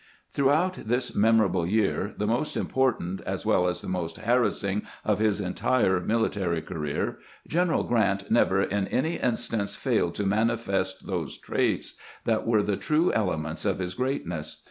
Throughout this memorable year, the most important as well as the most harassing of his entire military career. General Grant never in any instance failed to manifest those traits which were the true elements of his greatness.